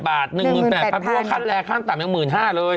๑๘๐๐๐บาทคือว่าขั้นแรกขั้นต่ำยัง๑๕๐๐๐บาทเลย